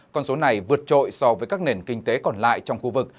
con số này vượt trội so với các nền kinh tế còn lại trong khu vực